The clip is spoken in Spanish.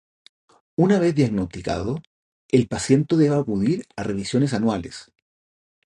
Una vez diagnosticado, el paciente debe acudir a revisiones anuales.